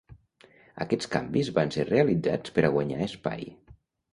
Aquests canvis van ser realitzats per a guanyar espai.